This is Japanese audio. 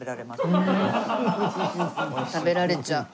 食べられちゃう。